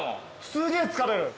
すげえ疲れる。